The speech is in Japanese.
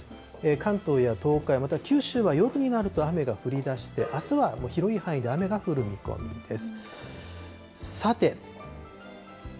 関東や東海、また九州は夜になると雨が降りだして、あすは広い範囲で雨が降る見込みです。